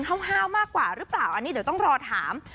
ห้าวมากกว่าหรือเปล่าอันนี้เดี๋ยวต้องรอถาม